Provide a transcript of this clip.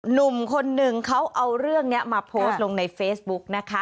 หนุ่มคนหนึ่งเขาเอาเรื่องนี้มาโพสต์ลงในเฟซบุ๊กนะคะ